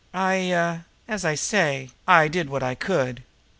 I er as I say, did what I could.